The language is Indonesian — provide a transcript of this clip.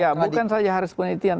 ya bukan saja harus penelitian